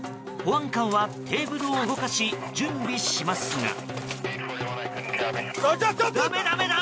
保安官はテーブルを動かし準備しますが。